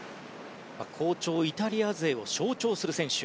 好調イタリア勢を象徴する選手